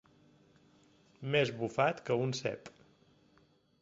Més bufat que un cep.